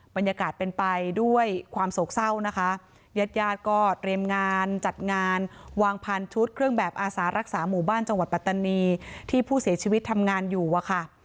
บรรยากาศเป็นไปด้วยความโศกเศร้านะคะญาติญาติก็เตรียมงานจัดงานวางพันชุดเครื่องแบบอาสารักษาหมู่บ้านจังหวัดปัตตานีที่ผู้เสียชีวิตทำงานอยู่อะค่ะ